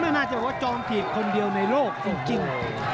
น่าจะบอกว่าจอมถีบคนเดียวในโลกจริง